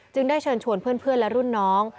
ได้เชิญชวนเพื่อนและรุ่นน้อง